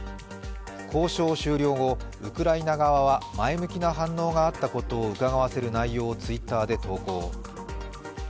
交渉終了後、ウクライナ側は前向きな反応があったことをうかがわせる内容をＴｗｉｔｔｅｒで投稿。